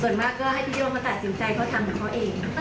ส่วนมากก็ให้พี่โย่งมาตัดสินใจเขาทำกับเขาเอง